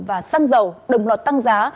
và xăng dầu đồng lọt tăng giá